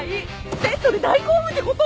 ベッドで大興奮ってこと！